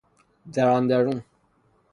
در اندرون